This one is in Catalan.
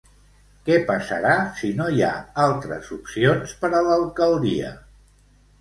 Què passarà si no hi ha altres opcions per a l'alcaldia?